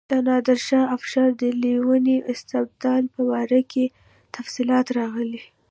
د نادرشاه افشار د لیوني استبداد په باره کې تفصیلات راغلي.